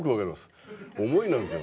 思いなんですよ。